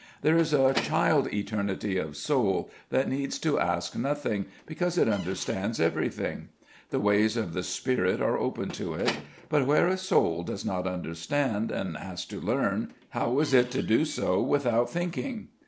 There is a child eternity of soul that needs to ask nothing, because it understands everything: the ways of the spirit are open to it; but where a soul does not understand, and has to learn, how is it to do so without thinking?